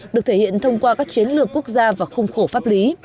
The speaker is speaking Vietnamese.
được thể hiện thông qua các chiến lược quốc gia và khung khổ pháp lý